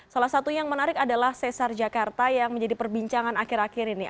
salah satu yang menarik adalah sesar jakarta yang menjadi perbincangan akhir akhir ini